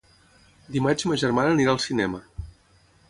Dimarts ma germana anirà al cinema.